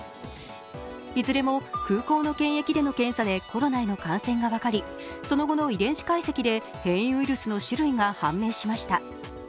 いずれも空港の検疫での検査でコロナへの感染が分かり、その後の遺伝子解析で変異ウイルスの種類が発生しました。